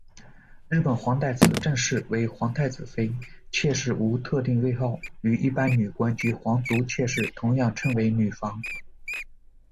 日本皇太子正室为皇太子妃，妾室无特定位号，与一般女官及皇族妾室同样称为女房。